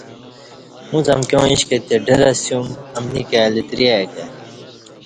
اݩڅ امکیاں ایݩش کہ تے ڈر اسیوم امنی کائ لتری ا ی کہ